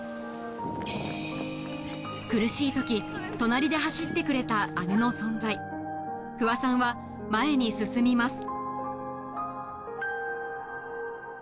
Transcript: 苦しい時隣で走ってくれた姉の存在不破さんは前に進みます